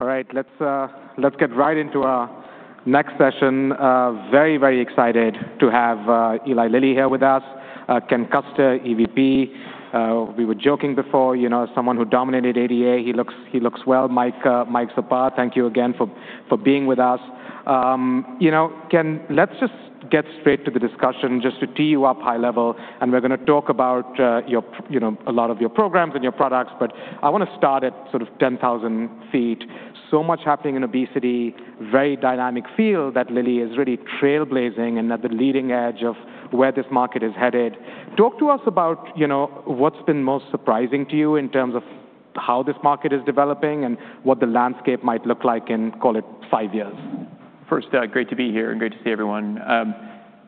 All right, let's get right into our next session. Very, very excited to have Eli Lilly here with us. Ken Custer, EVP. We were joking before, someone who dominated ADA. He looks well. Mike Czapar, thank you again for being with us. Ken, let's just get straight to the discussion just to tee you up high level. We're going to talk about a lot of your programs and your products, I want to start at sort of 10,000 ft. So much happening in obesity, very dynamic field that Lilly is really trailblazing and at the leading edge of where this market is headed. Talk to us about what's been most surprising to you in terms of how this market is developing and what the landscape might look like in, call it, five years. First, great to be here, great to see everyone.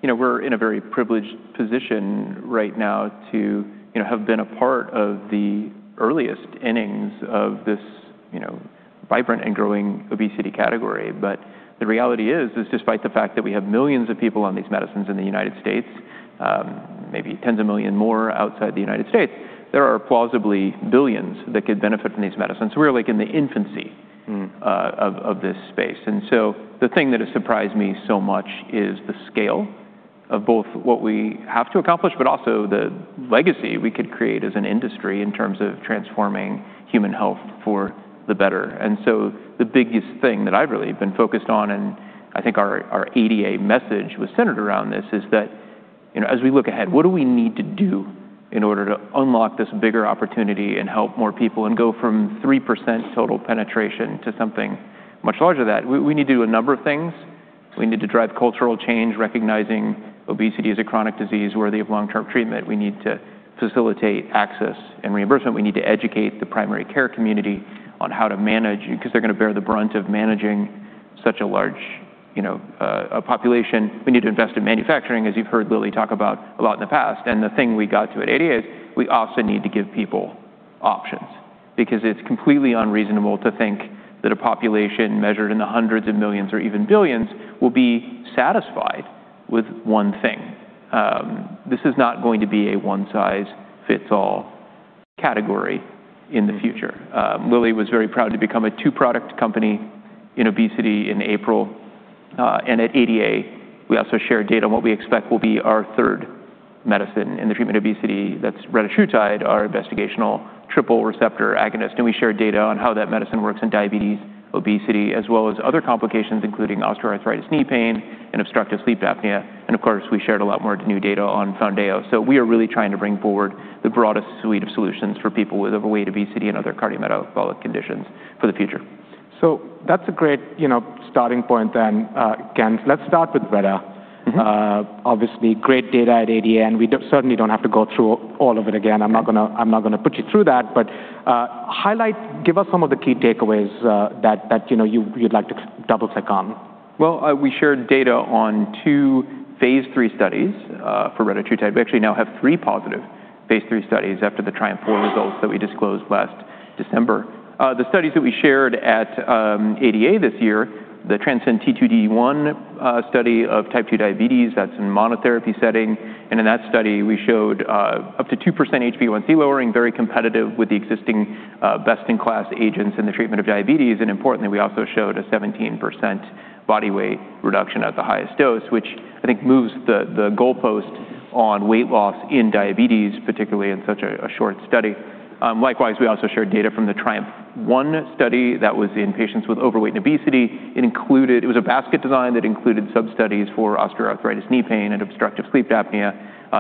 We're in a very privileged position right now to have been a part of the earliest innings of this vibrant and growing obesity category. The reality is, despite the fact that we have millions of people on these medicines in the U.S., maybe tens of million more outside the U.S., there are plausibly billions that could benefit from these medicines. We're in the infancy of this space. The thing that has surprised me so much is the scale of both what we have to accomplish, also the legacy we could create as an industry in terms of transforming human health for the better. The biggest thing that I've really been focused on, I think our ADA message was centered around this, is that as we look ahead, what do we need to do in order to unlock this bigger opportunity, help more people, and go from 3% total penetration to something much larger than that? We need to do a number of things. We need to drive cultural change, recognizing obesity as a chronic disease worthy of long-term treatment. We need to facilitate access and reimbursement. We need to educate the primary care community on how to manage because they're going to bear the brunt of managing such a large population. We need to invest in manufacturing, as you've heard Lilly talk about a lot in the past. The thing we got to at ADA is we also need to give people options because it's completely unreasonable to think that a population measured in the hundreds of millions or even billions will be satisfied with one thing. This is not going to be a one-size-fits-all category in the future. Lilly was very proud to become a two-product company in obesity in April. At ADA, we also shared data on what we expect will be our third medicine in the treatment obesity. That's retatrutide, our investigational triple receptor agonist. We shared data on how that medicine works in diabetes, obesity, as well as other complications, including osteoarthritis knee pain and obstructive sleep apnea. Of course, we shared a lot more new data on Foundayo. We are really trying to bring forward the broadest suite of solutions for people with overweight, obesity, and other cardiometabolic conditions for the future. That's a great starting point then. Ken, let's start with Reta. Obviously, great data at ADA, and we certainly don't have to go through all of it again. I'm not going to put you through that, but give us some of the key takeaways that you'd like to double-check on. Well, we shared data on two phase III studies for retatrutide. We actually now have three positive phase III studies after the TRIUMPH-4 results that we disclosed last December. The studies that we shared at ADA this year, the TRANSCEND-T2D-1 study of type 2 diabetes, that's in monotherapy setting. In that study, we showed up to 2% HbA1c lowering, very competitive with the existing best-in-class agents in the treatment of diabetes. Importantly, we also showed a 17% body weight reduction at the highest dose, which I think moves the goalpost on weight loss in diabetes, particularly in such a short study. Likewise, we also shared data from the TRIUMPH-1 study that was in patients with overweight and obesity. It was a basket design that included sub-studies for osteoarthritis knee pain and obstructive sleep apnea.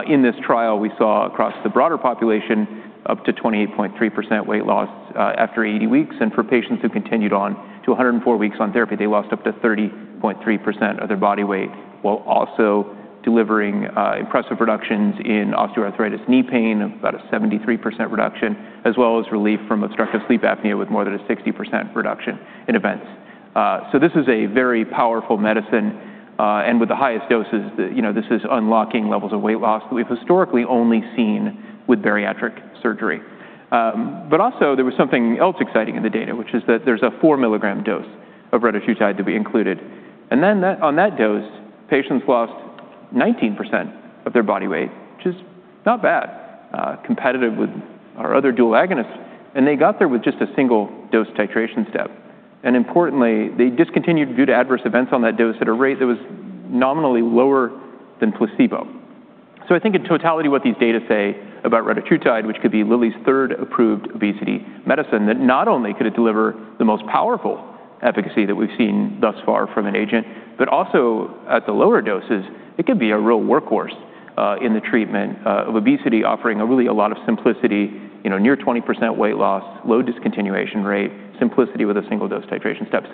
In this trial, we saw across the broader population up to 28.3% weight loss after 80 weeks, and for patients who continued on to 104 weeks on therapy, they lost up to 30.3% of their body weight while also delivering impressive reductions in osteoarthritis knee pain of about a 73% reduction, as well as relief from obstructive sleep apnea with more than a 60% reduction in events. This is a very powerful medicine, and with the highest doses, this is unlocking levels of weight loss that we've historically only seen with bariatric surgery. Also there was something else exciting in the data, which is that there's a 4 mg dose of retatrutide to be included. On that dose, patients lost 19% of their body weight, which is not bad, competitive with our other dual agonists. They got there with just a single dose titration step. Importantly, they discontinued due to adverse events on that dose at a rate that was nominally lower than placebo. I think in totality, what these data say about retatrutide, which could be Lilly's third approved obesity medicine, that not only could it deliver the most powerful efficacy that we've seen thus far from an agent, but also at the lower doses, it could be a real workhorse in the treatment of obesity, offering really a lot of simplicity, near 20% weight loss, low discontinuation rate, simplicity with a single dose titration step.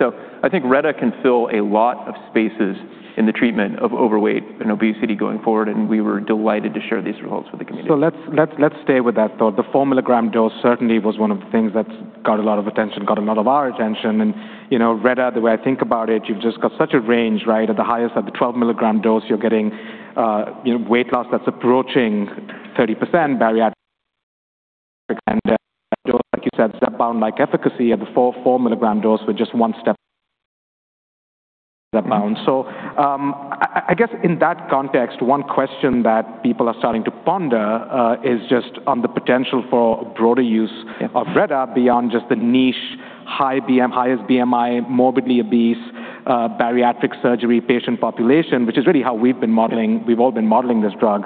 I think Reta can fill a lot of spaces in the treatment of overweight and obesity going forward, and we were delighted to share these results with the community. Let's stay with that thought. The 4 mg dose certainly was one of the things that got a lot of attention, got a lot of our attention. Reta, the way I think about it, you've just got such a range, right? At the highest, at the 12 mg dose, you're getting weight loss that's approaching 30% bariatric. Like you said, step down like efficacy at the 4 mg dose with just one step. I guess in that context, one question that people are starting to ponder is just on the potential for broader use of retatrutide beyond just the niche, highest BMI, morbidly obese, bariatric surgery patient population, which is really how we've all been modeling this drug.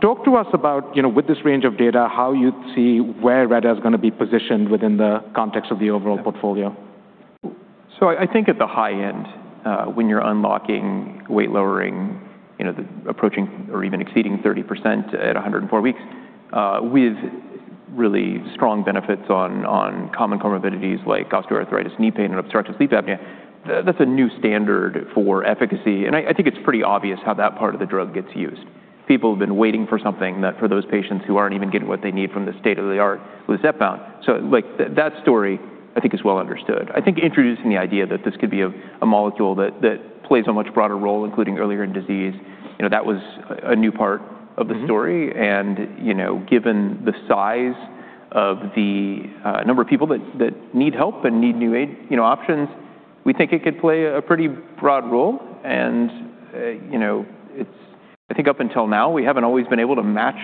Talk to us about, with this range of data, how you see where retatrutide is going to be positioned within the context of the overall portfolio. I think at the high end, when you're unlocking weight lowering, approaching or even exceeding 30% at 104 weeks, with really strong benefits on common comorbidities like osteoarthritis knee pain and obstructive sleep apnea, that's a new standard for efficacy. I think it's pretty obvious how that part of the drug gets used. People have been waiting for something that for those patients who aren't even getting what they need from the state-of-the-art with Zepbound. That story, I think, is well understood. I think introducing the idea that this could be a molecule that plays a much broader role, including earlier in disease, that was a new part of the story. Given the size of the number of people that need help and need new options, we think it could play a pretty broad role. I think up until now, we haven't always been able to match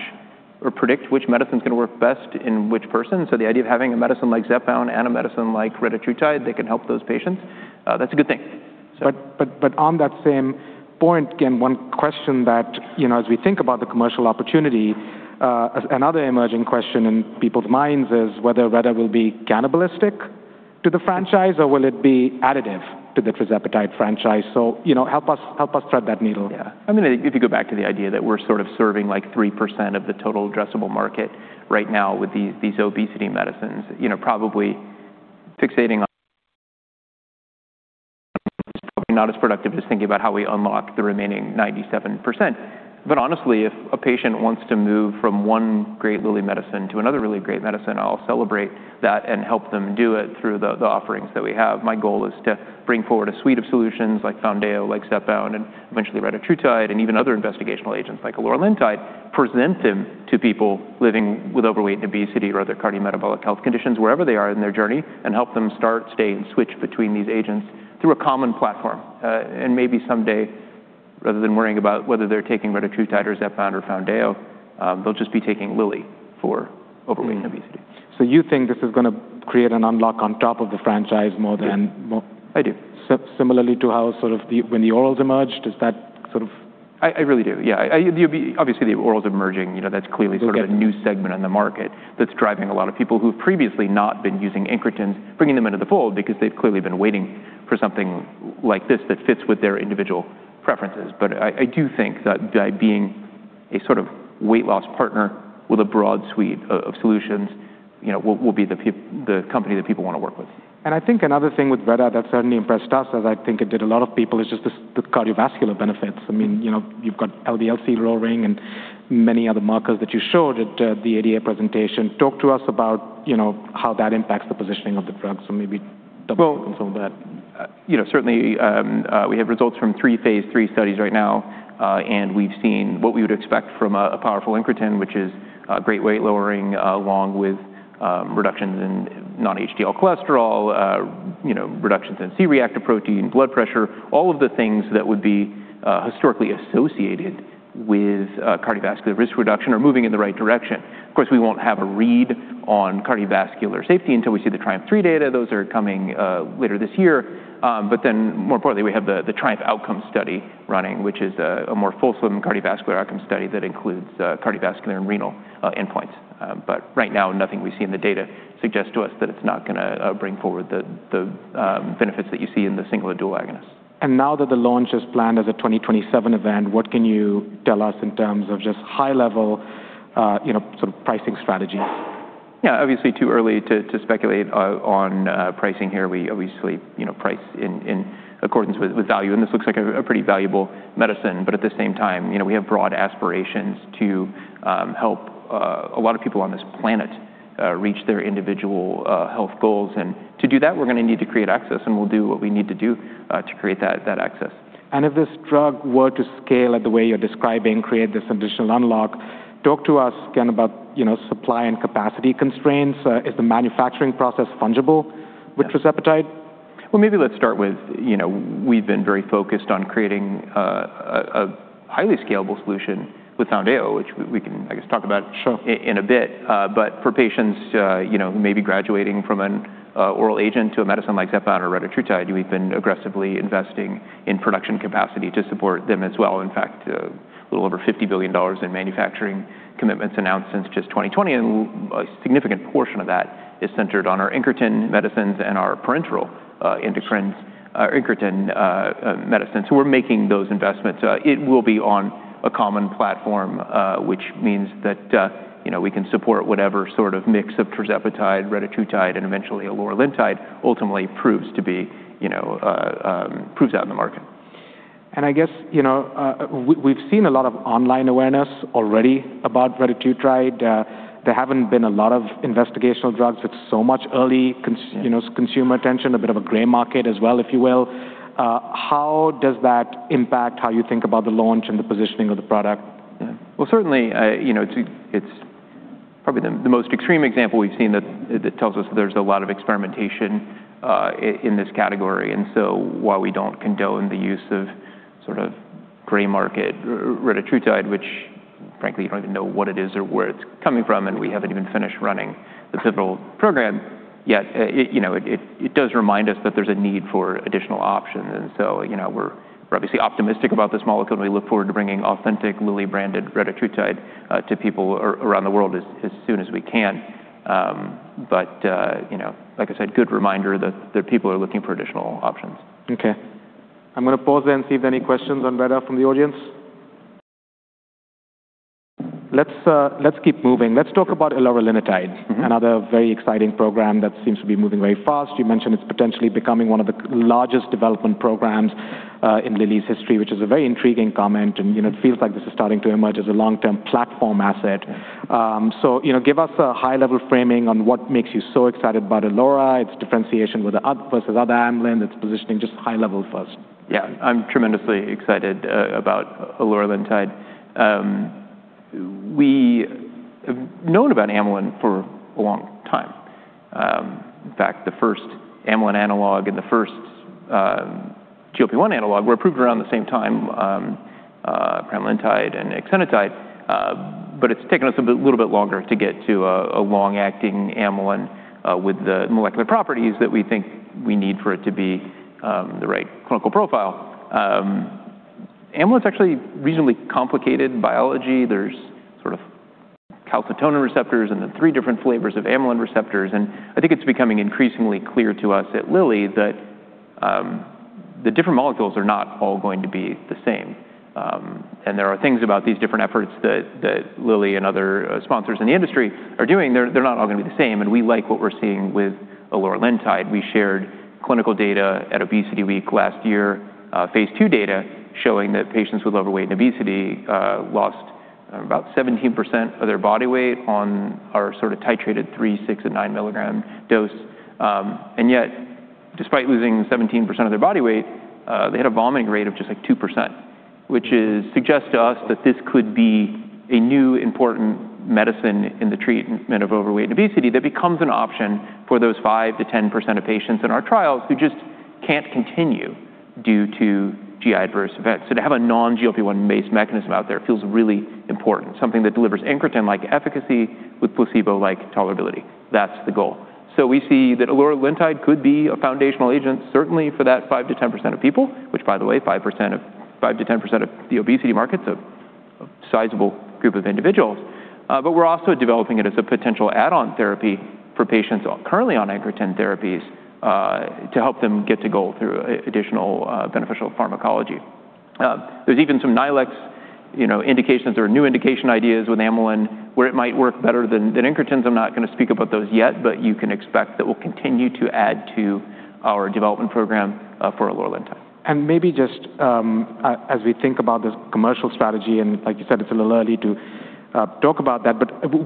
or predict which medicine's going to work best in which person. The idea of having a medicine like Zepbound and a medicine like retatrutide that can help those patients, that's a good thing. On that same point, again, one question that as we think about the commercial opportunity, another emerging question in people's minds is whether retatrutide will be cannibalistic to the franchise, or will it be additive to the tirzepatide franchise. Help us thread that needle. I mean, if you go back to the idea that we're sort of serving 3% of the total addressable market right now with these obesity medicines, probably fixating on is probably not as productive as thinking about how we unlock the remaining 97%. Honestly, if a patient wants to move from one great Lilly medicine to another really great medicine, I'll celebrate that and help them do it through the offerings that we have. My goal is to bring forward a suite of solutions like Foundayo, like Zepbound, and eventually retatrutide, and even other investigational agents like eloralintide, present them to people living with overweight and obesity or other cardiometabolic health conditions wherever they are in their journey, and help them start, stay, and switch between these agents through a common platform. Maybe someday, rather than worrying about whether they're taking retatrutide or Zepbound or Foundayo, they'll just be taking Lilly for overweight and obesity. You think this is going to create an unlock on top of the franchise more than- Yeah. I do similarly to how when the orals emerged, does that sort of- I really do. Yeah. Obviously, the orals emerging, that's clearly. We'll get to that A new segment on the market that's driving a lot of people who've previously not been using incretins, bringing them into the fold because they've clearly been waiting for something like this that fits with their individual preferences. I do think that being a sort of weight loss partner with a broad suite of solutions will be the company that people want to work with. I think another thing with retatrutide that certainly impressed us, as I think it did a lot of people, is just the cardiovascular benefits. I mean, you've got LDL-C lowering and many other markers that you showed at the ADA presentation. Talk to us about how that impacts the positioning of the drug. Maybe double click on that. Well, certainly, we have results from three phase III studies right now. We've seen what we would expect from a powerful incretin, which is great weight lowering along with reductions in non-HDL cholesterol, reductions in C-reactive protein, blood pressure, all of the things that would be historically associated with cardiovascular risk reduction are moving in the right direction. Of course, we won't have a read on cardiovascular safety until we see the TRIUMPH-3 data. Those are coming later this year. More importantly, we have the TRIUMPH-Outcome Study running, which is a more fulsome cardiovascular outcome study that includes cardiovascular and renal endpoints. Right now, nothing we see in the data suggests to us that it's not going to bring forward the benefits that you see in the singular dual agonist. Now that the launch is planned as a 2027 event, what can you tell us in terms of just high level sort of pricing strategies? Yeah, obviously too early to speculate on pricing here. We obviously price in accordance with value, and this looks like a pretty valuable medicine. At the same time, we have broad aspirations to help a lot of people on this planet reach their individual health goals. To do that, we're going to need to create access, and we'll do what we need to do to create that access. If this drug were to scale at the way you're describing, create this additional unlock, talk to us again about supply and capacity constraints. Is the manufacturing process fungible with tirzepatide? Well, maybe let's start with we've been very focused on creating a highly scalable solution with Foundayo, which we can, I guess, talk about. Sure In a bit. For patients who may be graduating from an oral agent to a medicine like Zepbound or retatrutide, we've been aggressively investing in production capacity to support them as well. In fact, a little over $50 billion in manufacturing commitments announced since just 2020, and a significant portion of that is centered on our incretin medicines and our parenteral incretin medicines. We're making those investments. It will be on a common platform, which means that we can support whatever sort of mix of tirzepatide, retatrutide, and eventually eloralintide ultimately proves out in the market. I guess we've seen a lot of online awareness already about retatrutide. There haven't been a lot of investigational drugs with so much early consumer attention, a bit of a gray market as well, if you will. How does that impact how you think about the launch and the positioning of the product? Well, certainly, it's probably the most extreme example we've seen that tells us there's a lot of experimentation in this category. While we don't condone the use of sort of gray market retatrutide, which frankly, you don't even know what it is or where it's coming from, and we haven't even finished running the pivotal program yet, it does remind us that there's a need for additional options. We're obviously optimistic about this molecule, and we look forward to bringing authentic Lilly-branded retatrutide to people around the world as soon as we can. Like I said, good reminder that people are looking for additional options. Okay. I'm going to pause there and see if there are any questions on Reta from the audience. Let's keep moving. Let's talk about eloralintide. Another very exciting program that seems to be moving very fast. You mentioned it's potentially becoming one of the largest development programs in Lilly's history, which is a very intriguing comment. It feels like this is starting to emerge as a long-term platform asset. Yeah. Give us a high-level framing on what makes you so excited about elora, its differentiation versus other amylin, its positioning, just high level for us. Yeah. I'm tremendously excited about eloralintide. We have known about amylin for a long time. In fact, the first amylin analog and the first GLP-1 analog were approved around the same time, pramlintide and exenatide. It's taken us a little bit longer to get to a long-acting amylin with the molecular properties that we think we need for it to be the right clinical profile. Amylin is actually reasonably complicated biology. There's sort of calcitonin receptors and then three different flavors of amylin receptors. I think it's becoming increasingly clear to us at Lilly that the different molecules are not all going to be the same. There are things about these different efforts that Lilly and other sponsors in the industry are doing. They're not all going to be the same, and we like what we're seeing with eloralintide. We shared clinical data at ObesityWeek last year, phase II data, showing that patients with overweight and obesity lost about 17% of their body weight on our sort of titrated 3, 6, and 9 mg dose. Yet, despite losing 17% of their body weight, they had a vomiting rate of just 2%, which suggests to us that this could be a new important medicine in the treatment of overweight and obesity that becomes an option for those 5%-10% of patients in our trials who just can't continue due to GI adverse events. To have a non-GLP-1-based mechanism out there feels really important, something that delivers incretin-like efficacy with placebo-like tolerability. That's the goal. We see that eloralintide could be a foundational agent, certainly for that 5%-10% of people, which by the way, 5%-10% of the obesity market is a sizable group of individuals. We're also developing it as a potential add-on therapy for patients currently on incretin therapies to help them get to goal through additional beneficial pharmacology. There's even some niche indications or new indication ideas with amylin where it might work better than incretins. I'm not going to speak about those yet, but you can expect that we'll continue to add to our development program for eloralintide. Maybe just as we think about the commercial strategy, and like you said, it's a little early to talk about that,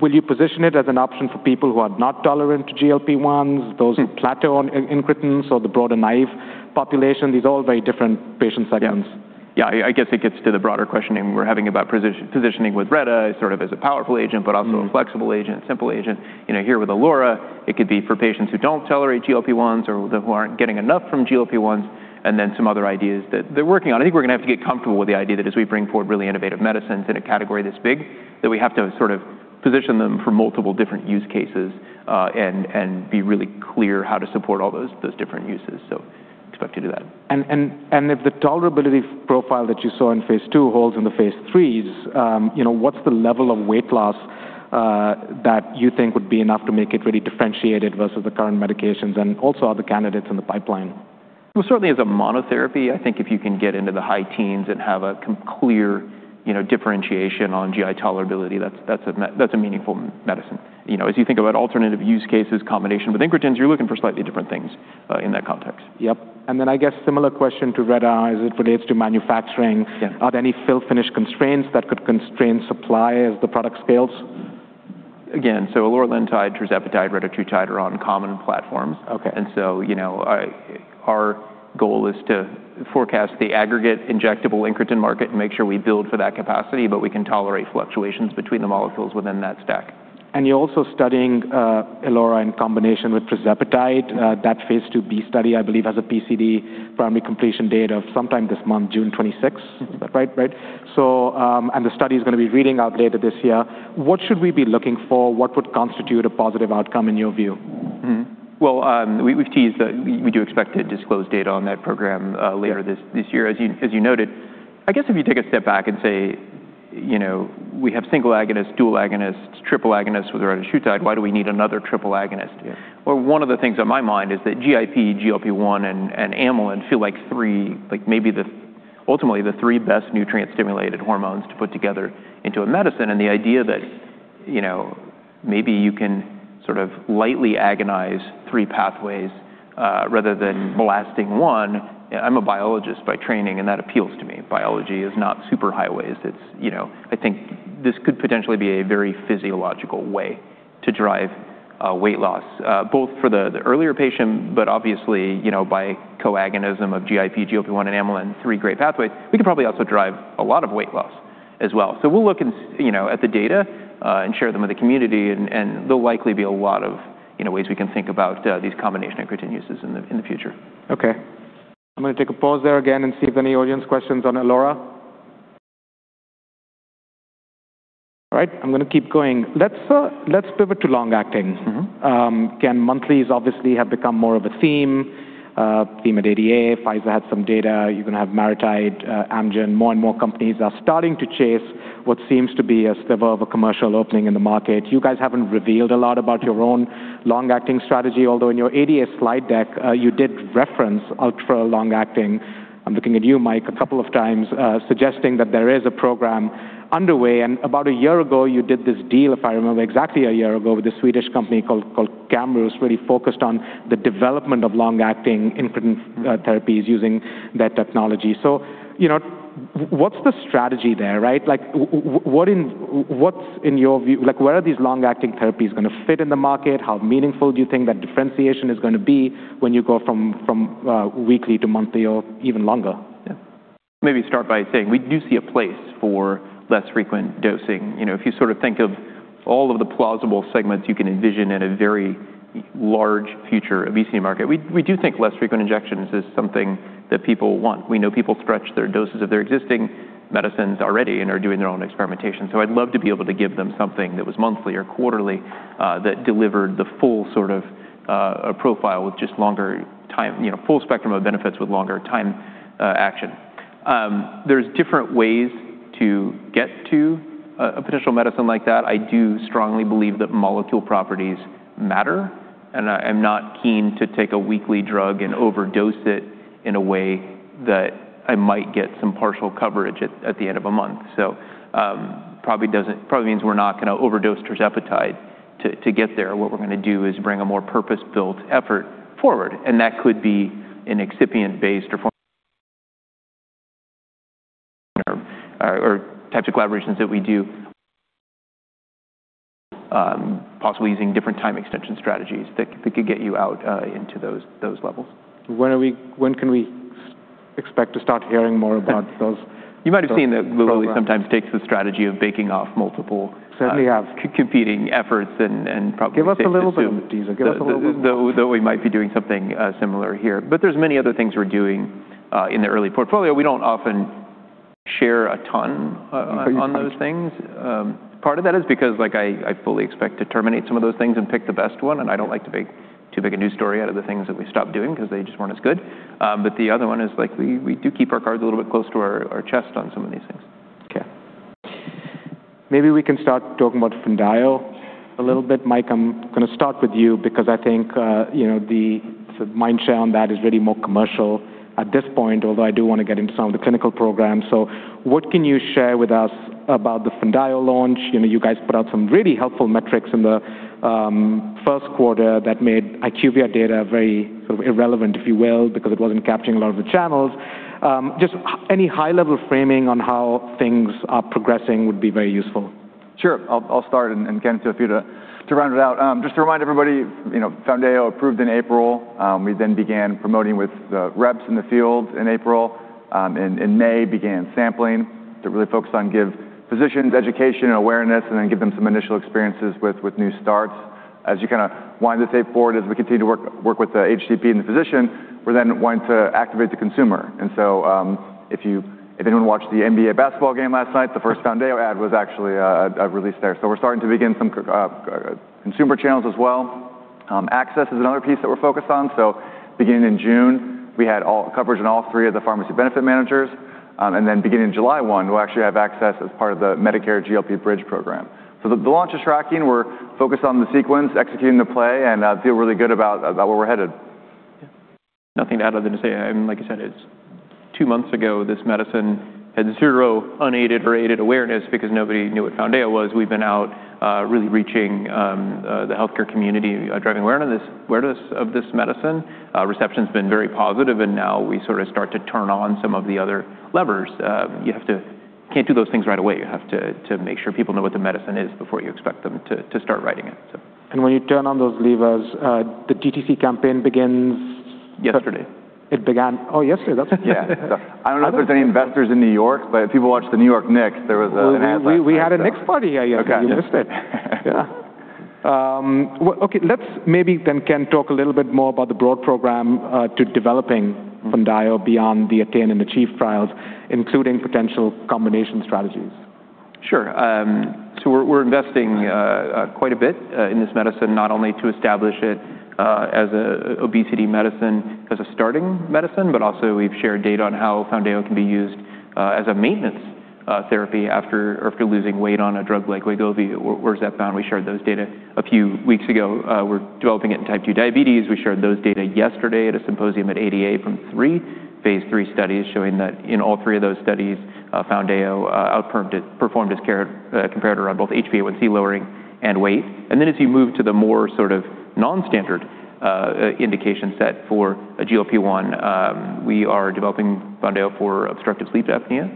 will you position it as an option for people who are not tolerant to GLP-1s, those who plateau on incretins or the broader naive population? These are all very different patient segments. Yeah. I guess it gets to the broader questioning we're having about positioning with Reta sort of as a powerful agent, also a flexible agent, a simple agent. Here with elora, it could be for patients who don't tolerate GLP-1s or who aren't getting enough from GLP-1s, then some other ideas that they're working on. I think we're going to have to get comfortable with the idea that as we bring forward really innovative medicines in a category that's big, that we have to sort of position them for multiple different use cases, and be really clear how to support all those different uses. Expect to do that. If the tolerability profile that you saw in phase II holds in the phase IIIs, what's the level of weight loss that you think would be enough to make it really differentiated versus the current medications and also other candidates in the pipeline? Well, certainly as a monotherapy, I think if you can get into the high teens and have a clear differentiation on GI tolerability, that's a meaningful medicine. As you think about alternative use cases, combination with incretins, you're looking for slightly different things in that context. Yep. Then I guess similar question to Reta as it relates to manufacturing. Yeah. Are there any fill finish constraints that could constrain supply as the product scales? Again, eloralintide, tirzepatide, retatrutide are on common platforms. Okay. Our goal is to forecast the aggregate injectable incretin market and make sure we build for that capacity, but we can tolerate fluctuations between the molecules within that stack. You're also studying eloralintide in combination with tirzepatide. That phase II-B study, I believe, has a PCD primary completion date of sometime this month, June 26th. Right? The study is going to be reading out later this year. What should we be looking for? What would constitute a positive outcome in your view? We've teased that we do expect to disclose data on that program later this year, as you noted. I guess if you take a step back and say we have single agonist, dual agonist, triple agonist with retatrutide, why do we need another triple agonist? Yeah. One of the things on my mind is that GIP, GLP-1, and amylin feel like maybe ultimately the three best nutrient-stimulated hormones to put together into a medicine. The idea that maybe you can sort of lightly agonize three pathways rather than blasting one, I'm a biologist by training, and that appeals to me. Biology is not superhighways. I think this could potentially be a very physiological way to drive weight loss, both for the earlier patient, but obviously, by co-agonism of GIP, GLP-1, and amylin, three great pathways, we could probably also drive a lot of weight loss as well. We'll look at the data and share them with the community, and there'll likely be a lot of ways we can think about these combination incretin uses in the future. Okay. I'm going to take a pause there again and see if any audience questions on elora. All right, I'm going to keep going. Let's pivot to long-acting. Again, monthlies obviously have become more of a theme at ADA. Pfizer had some data. You even have MariTide, Amgen. More and more companies are starting to chase what seems to be a sliver of a commercial opening in the market. You guys haven't revealed a lot about your own long-acting strategy, although in your ADA slide deck, you did reference ultra-long-acting, I'm looking at you, Mike, a couple of times, suggesting that there is a program underway. About a year ago, you did this deal, if I remember exactly a year ago, with a Swedish company called Camurus, really focused on the development of long-acting incretin therapies using that technology. What's the strategy there, right? In your view, where are these long-acting therapies going to fit in the market? How meaningful do you think that differentiation is going to be when you go from weekly to monthly or even longer? Yeah. Maybe start by saying we do see a place for less frequent dosing. If you think of all of the plausible segments you can envision in a very large future obesity market, we do think less frequent injections is something that people want. We know people stretch their doses of their existing medicines already and are doing their own experimentation. I'd love to be able to give them something that was monthly or quarterly that delivered the full profile with just longer time, full spectrum of benefits with longer time action. There's different ways to get to a potential medicine like that. I do strongly believe that molecule properties matter, and I'm not keen to take a weekly drug and overdose it in a way that I might get some partial coverage at the end of a month. Probably means we're not going to overdose tirzepatide to get there. What we're going to do is bring a more purpose-built effort forward, and that could be an excipient-based or types of collaborations that we do, possibly using different time extension strategies that could get you out into those levels. When can we expect to start hearing more about those programs? You might have seen that Lilly sometimes takes the strategy of baking off multiple Certainly have competing efforts probably safe to assume Give us a little bit. Give us a little bit Though we might be doing something similar here. There's many other things we're doing in the early portfolio. We don't often share a ton on those things. Part of that is because I fully expect to terminate some of those things and pick the best one, and I don't like to make too big a news story out of the things that we stop doing because they just weren't as good. The other one is we do keep our cards a little bit close to our chest on some of these things. Okay. Maybe we can start talking about Foundayo a little bit. Mike, I'm going to start with you because I think the mind share on that is really more commercial at this point, although I do want to get into some of the clinical programs. What can you share with us about the Foundayo launch? You guys put out some really helpful metrics in the first quarter that made IQVIA data very sort of irrelevant, if you will, because it wasn't capturing a lot of the channels. Just any high-level framing on how things are progressing would be very useful. Sure. I'll start and Ken can fill you to round it out. Just to remind everybody, Foundayo approved in April. We began promoting with the reps in the field in April. In May, began sampling to really focus on give physicians education and awareness and give them some initial experiences with new starts. As you wind the tape forward, as we continue to work with the HCP and the physician, we're wanting to activate the consumer. If anyone watched the NBA basketball game last night, the first Foundayo ad was actually released there. We're starting to begin some consumer channels as well. Access is another piece that we're focused on. Beginning in June, we had coverage on all three of the pharmacy benefit managers. Beginning July 1, we'll actually have access as part of the Medicare GLP-1 Bridge program. The launch is tracking. We're focused on the sequence, executing the play, and feel really good about where we're headed. Yeah. Nothing to add other than to say, like you said, it's two months ago, this medicine had zero unaided or aided awareness because nobody knew what Foundayo was. We've been out really reaching the healthcare community, driving awareness of this medicine. Reception's been very positive. Now we sort of start to turn on some of the other levers. You can't do those things right away. You have to make sure people know what the medicine is before you expect them to start writing it. When you turn on those levers, the DTC campaign begins? Yesterday. It began yesterday. That's it. Yeah. I don't know if there's any investors in New York, but if people watch the New York Knicks, there was an ad last night. We had a Knicks party. Okay. Yes yesterday. You missed it. Yeah. Well, okay. Let's maybe, Ken, talk a little bit more about the broad program to developing Foundayo beyond the ATTAIN and ACHIEVE trials, including potential combination strategies. Sure. We're investing quite a bit in this medicine, not only to establish it as an obesity medicine, as a starting medicine, but also we've shared data on how Foundayo can be used as a maintenance therapy after losing weight on a drug like Wegovy or Zepbound. We shared those data a few weeks ago. We're developing it in type 2 diabetes. We shared those data yesterday at a symposium at ADA from three phase III studies showing that in all three of those studies, Foundayo out-performed its comparator on both HbA1c lowering and weight. As you move to the more sort of non-standard indication set for a GLP-1, we are developing Foundayo for obstructive sleep apnea,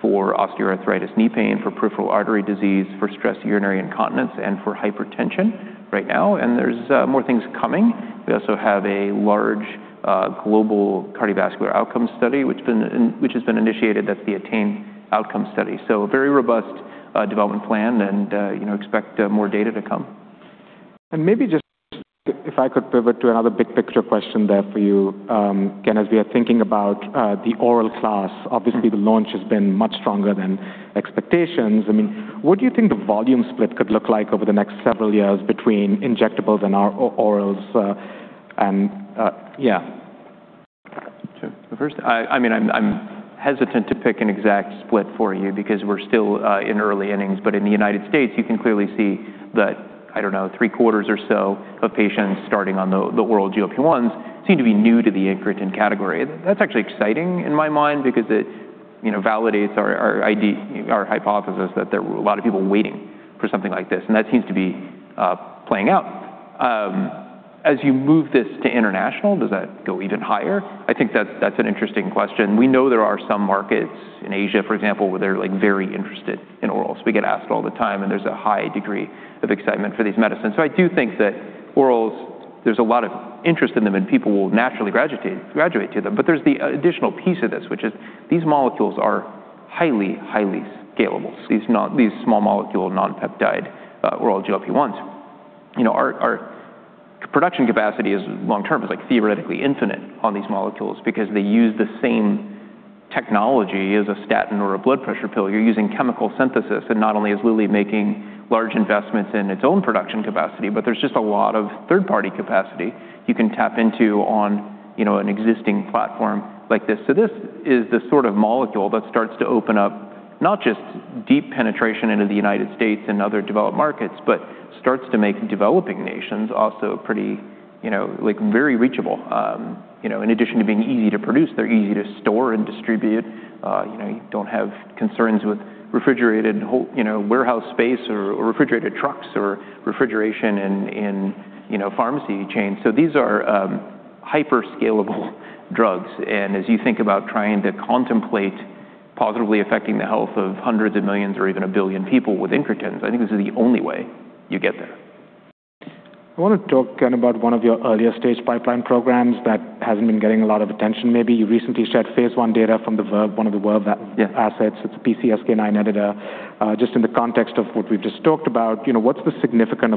for osteoarthritis knee pain, for peripheral artery disease, for stress urinary incontinence, and for hypertension right now, and there's more things coming. We also have a large global cardiovascular outcomes study which has been initiated, that's the ATTAIN outcome study. A very robust development plan and expect more data to come. Maybe just if I could pivot to another big picture question there for you. As we are thinking about the oral class, obviously the launch has been much stronger than expectations. What do you think the volume split could look like over the next several years between injectables and orals? First, I'm hesitant to pick an exact split for you because we're still in early innings. In the U.S., you can clearly see that, I don't know, three-quarters or so of patients starting on the oral GLP-1s seem to be new to the incretin category. That's actually exciting in my mind because it validates our hypothesis that there were a lot of people waiting for something like this, and that seems to be playing out. You move this to international, does that go even higher? I think that's an interesting question. We know there are some markets, in Asia, for example, where they're very interested in orals. We get asked all the time, and there's a high degree of excitement for these medicines. I do think that orals, there's a lot of interest in them, and people will naturally graduate to them. There's the additional piece of this, which is these molecules are highly scalable. These small molecule non-peptide oral GLP-1s. Our production capacity is long term, is theoretically infinite on these molecules because they use the same technology as a statin or a blood pressure pill. You're using chemical synthesis, and not only is Lilly making large investments in its own production capacity, but there's just a lot of third-party capacity you can tap into on an existing platform like this. This is the sort of molecule that starts to open up not just deep penetration into the U.S. and other developed markets, but starts to make developing nations also very reachable. In addition to being easy to produce, they're easy to store and distribute. You don't have concerns with refrigerated warehouse space or refrigerated trucks or refrigeration in pharmacy chains. These are hyper-scalable drugs, and as you think about trying to contemplate positively affecting the health of hundreds of millions or even 1 billion people with incretins, I think this is the only way you get there. I want to talk about one of your earlier stage pipeline programs that hasn't been getting a lot of attention maybe. You recently shared phase I data from the Verve, one of the Verve assets. Yeah. It's a PCSK9 editor. Just in the context of what we've just talked about, what's the significance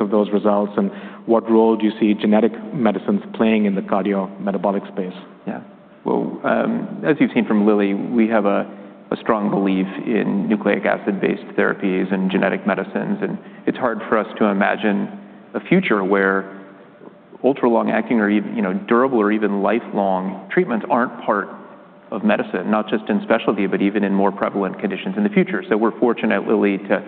of those results, and what role do you see genetic medicines playing in the cardiometabolic space? Well, as you've seen from Lilly, we have a strong belief in nucleic acid-based therapies and genetic medicines, and it's hard for us to imagine a future where ultra-long acting or durable or even lifelong treatments aren't part of medicine, not just in specialty, but even in more prevalent conditions in the future. We're fortunate at Lilly to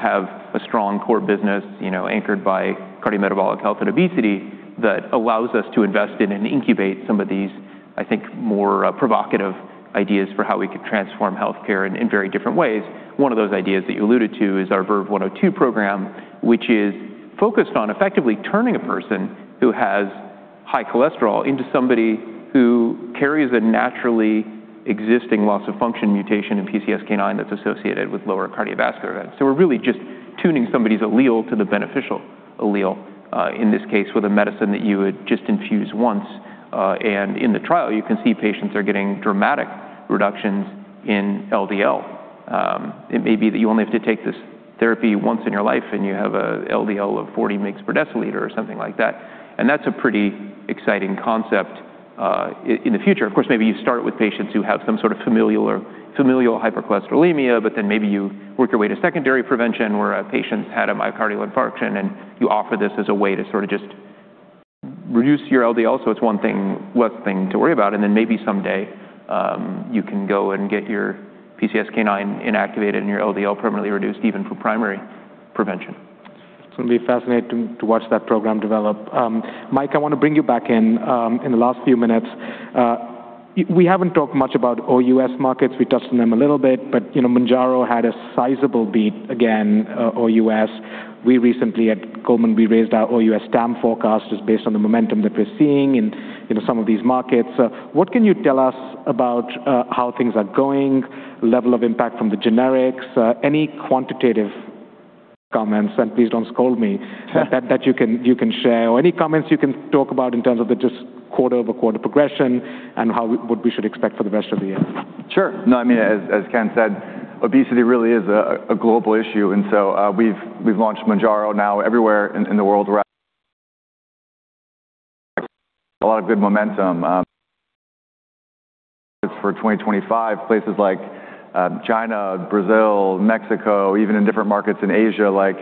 have a strong core business anchored by cardiometabolic health and obesity that allows us to invest in and incubate some of these, I think, more provocative ideas for how we could transform healthcare in very different ways. One of those ideas that you alluded to is our VERVE-102 program, which is focused on effectively turning a person who has high cholesterol into somebody who carries a naturally existing loss-of-function mutation in PCSK9 that's associated with lower cardiovascular events. We're really just tuning somebody's allele to the beneficial allele, in this case, with a medicine that you would just infuse once. In the trial, you can see patients are getting dramatic reductions in LDL. It may be that you only have to take this therapy once in your life, and you have a LDL of 40 mg per deciliter or something like that. That's a pretty exciting concept in the future. Of course, maybe you start with patients who have some sort of familial hypercholesterolemia, maybe you work your way to secondary prevention, where a patient's had a myocardial infarction, and you offer this as a way to sort of just reduce your LDL, so it's one less thing to worry about. Maybe someday, you can go and get your PCSK9 inactivated and your LDL permanently reduced even for primary prevention. It's going to be fascinating to watch that program develop. Mike, I want to bring you back in the last few minutes. We haven't talked much about OUS markets. We touched on them a little bit, Mounjaro had a sizable beat again, OUS. We recently at Goldman, we raised our OUS TAM forecast just based on the momentum that we're seeing in some of these markets. What can you tell us about how things are going, level of impact from the generics, any quantitative comments, and please don't scold me, that you can share, or any comments you can talk about in terms of the just quarter-over-quarter progression and what we should expect for the rest of the year? Sure. No, as Ken said, obesity really is a global issue. We've launched Mounjaro now everywhere in the world where a lot of good momentum for 2025, places like China, Brazil, Mexico, even in different markets in Asia, like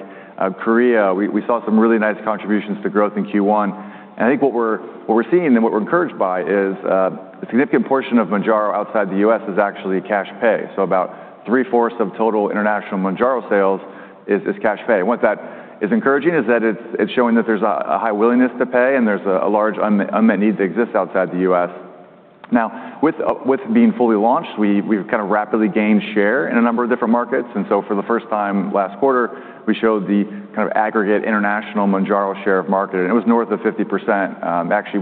Korea. We saw some really nice contributions to growth in Q1. I think what we're seeing and what we're encouraged by is a significant portion of Mounjaro outside the U.S. is actually cash pay. About 3/4 of total international Mounjaro sales is cash pay. What that is encouraging is that it's showing that there's a high willingness to pay, and there's a large unmet need that exists outside the U.S. With being fully launched, we've kind of rapidly gained share in a number of different markets. For the first time last quarter, we showed the aggregate international Mounjaro share of market, and it was north of 50%.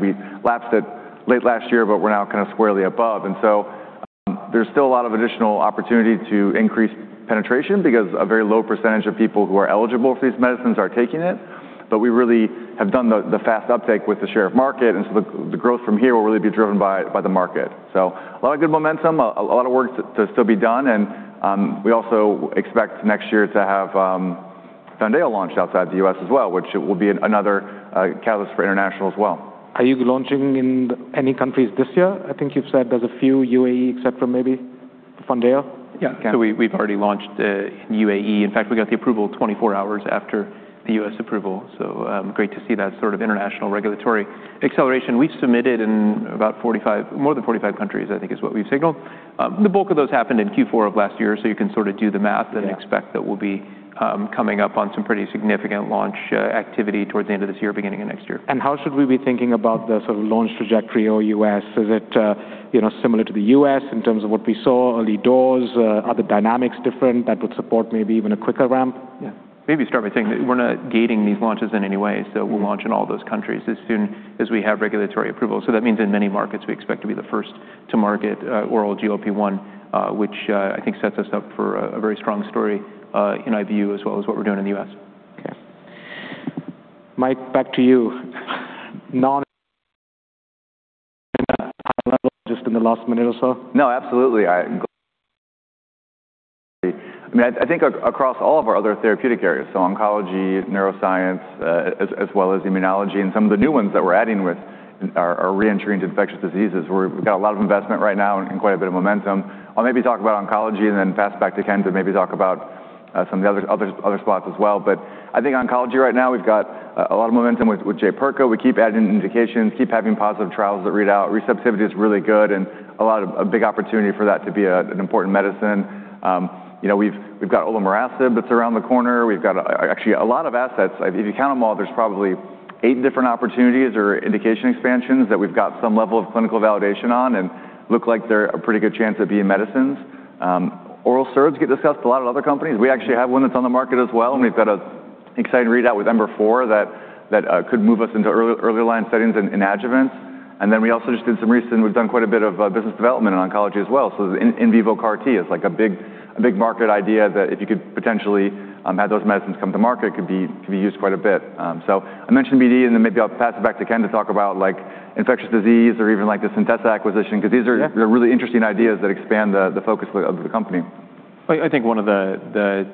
We lapsed it late last year, but we're now kind of squarely above. There's still a lot of additional opportunity to increase penetration because a very low percentage of people who are eligible for these medicines are taking it. We really have done the fast uptake with the share of market, the growth from here will really be driven by the market. A lot of good momentum, a lot of work to still be done, and we also expect next year to have Foundayo launched outside the U.S. as well, which will be another catalyst for international as well. Are you launching in any countries this year? I think you've said there's a few UAE except for maybe Foundayo? Yeah. We've already launched in UAE. In fact, we got the approval 24 hours after the U.S. approval, great to see that sort of international regulatory acceleration. We've submitted in about more than 45 countries, I think, is what we've signaled. The bulk of those happened in Q4 of last year, you can sort of do the math. Yeah Expect that we'll be coming up on some pretty significant launch activity towards the end of this year, beginning of next year. How should we be thinking about the sort of launch trajectory or U.S.? Is it similar to the U.S. in terms of what we saw early doors? Are the dynamics different that would support maybe even a quicker ramp? Yeah. Maybe start by saying that we're not gating these launches in any way. We'll launch in all those countries as soon as we have regulatory approval. That means in many markets, we expect to be the first to market oral GLP-1, which I think sets us up for a very strong story in OUS as well as what we're doing in the U.S. Okay, Mike, back to you. No, absolutely. I think across all of our other therapeutic areas, oncology, neuroscience, as well as immunology, and some of the new ones that we're adding with our re-entry into infectious diseases. We've got a lot of investment right now and quite a bit of momentum. I'll maybe talk about oncology, and then pass it back to Ken to maybe talk about some of the other spots as well. I think oncology right now, we've got a lot of momentum with Jaypirca. We keep adding indications, keep having positive trials that read out. Receptivity is really good, and a big opportunity for that to be an important medicine. We've got olomorasib that's around the corner. We've got actually a lot of assets. If you count them all, there's probably eight different opportunities or indication expansions that we've got some level of clinical validation on, and look like they're a pretty good chance of being medicines. oral SERDs get discussed a lot at other companies. We actually have one that's on the market as well, and we've got an exciting readout with EMBER-4 that could move us into early line settings in adjuvants. We've done quite a bit of business development in oncology as well. In vivo CAR-T is like a big market idea that if you could potentially have those medicines come to market, could be used quite a bit. I mentioned BD, maybe I'll pass it back to Ken to talk about infectious disease or even the Centessa acquisition. Yeah really interesting ideas that expand the focus of the company. I think one of the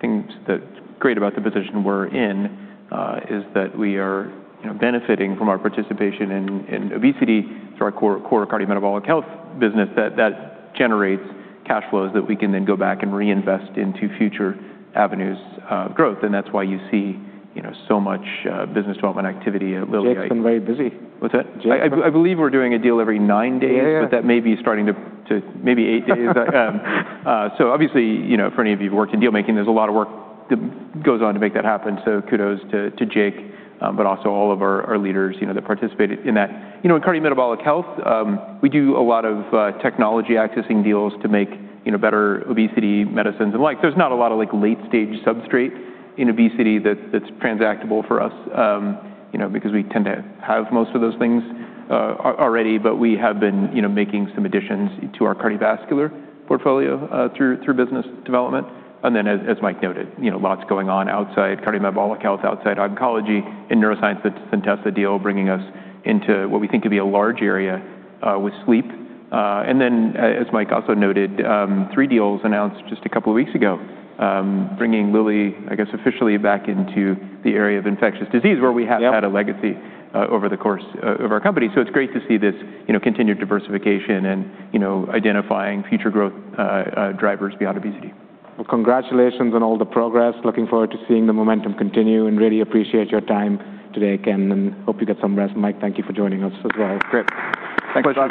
things that's great about the position we're in, is that we are benefiting from our participation in obesity through our core cardiometabolic health business that generates cash flows that we can then go back and reinvest into future avenues of growth. That's why you see so much business development activity at Lilly. Jake's been very busy. What's that? Jake's been. I believe we're doing a deal every nine days. Yeah That may be starting to maybe eight days. Obviously, for any of you who've worked in deal-making, there's a lot of work that goes on to make that happen, so kudos to Jake, but also all of our leaders that participated in that. In cardiometabolic health, we do a lot of technology accessing deals to make better obesity medicines, and there's not a lot of late-stage substrate in obesity that's transactable for us, because we tend to have most of those things already. We have been making some additions to our cardiovascular portfolio through business development. As Mike noted, lots going on outside cardiometabolic health, outside oncology, in neuroscience, that Centessa deal bringing us into what we think could be a large area, with sleep. As Mike also noted, three deals announced just a couple of weeks ago, bringing Lilly, I guess, officially back into the area of infectious disease where we have. Yep had a legacy over the course of our company. It's great to see this continued diversification, and identifying future growth drivers beyond obesity. Congratulations on all the progress. Looking forward to seeing the momentum continue, and really appreciate your time today, Ken, and hope you get some rest. Mike, thank you for joining us as well. Great. Thanks. Pleasure.